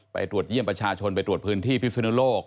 ตรวจเยี่ยมประชาชนไปตรวจพื้นที่พิศนุโลก